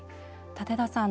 舘田さん